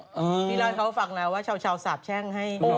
พี่เล่าเถอะฟังแล้วว่าเช้าสาบแช่งให้